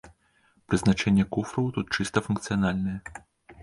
Прызначэнне куфраў тут чыста функцыянальнае.